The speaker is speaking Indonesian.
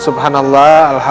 ustadz musa'i mulla dan santun